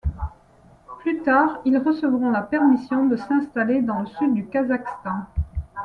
Plus tard, ils recevront la permission de s'installer dans le sud du Kazakhstan.